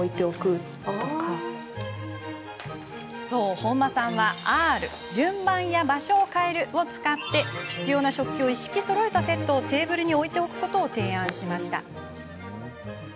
本間さんはＲ＝順番や場所を変えるを使って、必要な食器を一式そろえたセットをテーブルに置いておくことを提案しました。